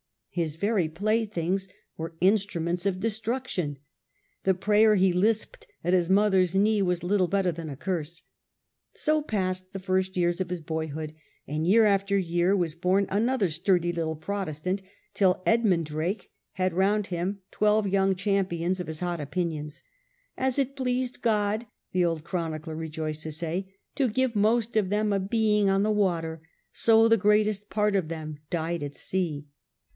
His very play things were instruments of destruction ; the prayer he lisped at his mother's knee was little better than a curse. So passed the first years of his boyhood, and year after year was born another sturdy little Protestant till Edmund Drake had round him twelve young champions of his hot opinions. " As it pleased God," the old chronicler rejoiced to say, " to give most of them a being on the water, so the greatest part of them died at sea."